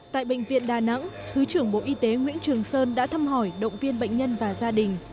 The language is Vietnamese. tại bệnh viện đà nẵng thứ trưởng bộ y tế nguyễn trường sơn đã thăm hỏi động viên bệnh nhân và gia đình